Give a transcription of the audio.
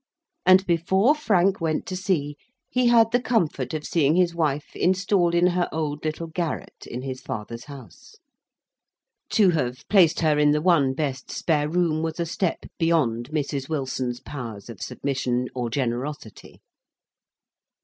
And before Frank went to sea, he had the comfort of seeing his wife installed in her old little garret in his father's house. To have placed her in the one best spare room was a step beyond Mrs. Wilson's powers of submission or generosity.